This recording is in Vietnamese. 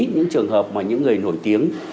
những trường hợp mà những người nổi tiếng